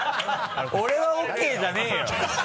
俺はＯＫじゃねぇよ！